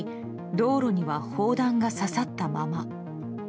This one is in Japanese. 道路には砲弾が刺さったまま。